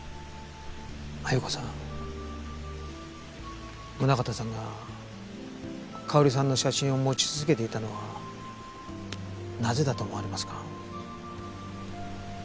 鮎子さん宗形さんが佳保里さんの写真を持ち続けていたのはなぜだと思われますか？